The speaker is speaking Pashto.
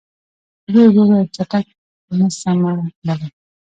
زوی یې وویل چټک نه سمه تللای